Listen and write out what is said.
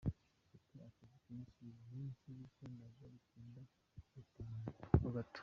Mfite akazi kenshi uyu munsi, bityo ndaza gutinda gutaha ho gato.